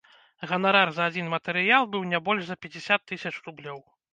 Ганарар за адзін матэрыял быў не больш за пяцьдзясят тысяч рублёў.